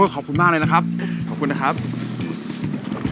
โอ้ยขอบคุณมากเลยนะครับขอบคุณนะครับขอบคุณนะครับ